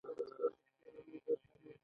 د وظایفو د لایحې ترتیب کول.